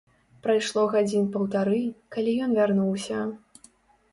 Прайшло гадзін паўтары, калі ён вярнуўся.